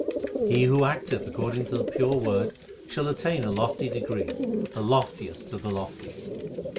He who acteth according to the pure Word shall attain a lofty degree, the loftiest of the lofty.